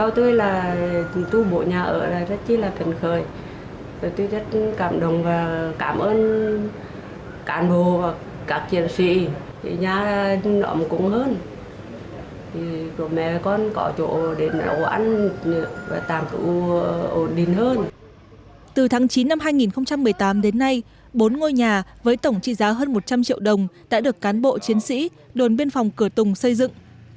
từ tháng chín năm hai nghìn một mươi tám đến nay bốn ngôi nhà với tổng trị giá hơn một trăm linh triệu đồng đã được cán bộ chiến sĩ đồn biên phòng cửa tùng xây dựng